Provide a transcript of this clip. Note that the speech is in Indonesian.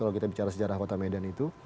kalau kita bicara sejarah kota medan itu